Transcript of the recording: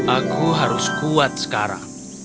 aku harus kuat sekarang